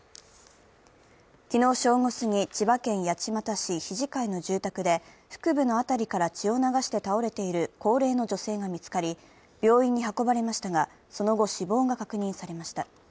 昨日正午すぎ、千葉県八街市文違の住宅で腹部の辺りから血を流して倒れている高齢の女性が見つかり病院に運ばれましたが、その後死亡が確認されました。